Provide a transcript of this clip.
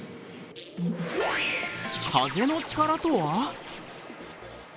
風の力とは？